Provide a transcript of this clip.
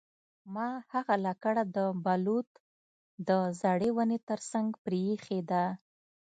ما هغه لکړه د بلوط د زړې ونې ترڅنګ پریښې ده